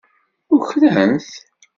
Ukren-t.